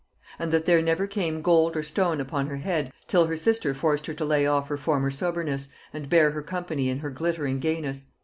And that there never came gold or stone upon her head, till her sister forced her to lay off her former soberness, and bear her company in her glittering gayness.